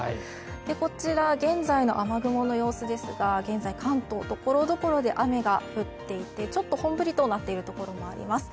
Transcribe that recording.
こちら、現在の雨雲の様子ですが、現在、関東ところどころで雨が降っていて、ちょっと本降りとなっているところもあります。